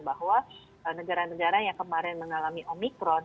bahwa negara negara yang kemarin mengalami omikron